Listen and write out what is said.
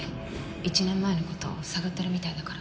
１年前のこと探ってるみたいだから